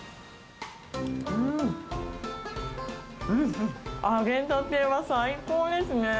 うーん、うんうん、揚げたては最高ですね。